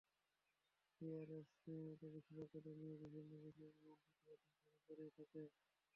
CRS নিয়মিত বিশেষজ্ঞদের দিয়ে বিভিন্ন বিষয়ে এমন প্রতিবেদন তৈরি করে থাকে।